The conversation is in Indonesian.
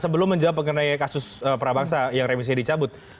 sebelum menjawab mengenai kasus prabangsa yang remisi dicabut